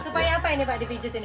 supaya apa ini pak dipijat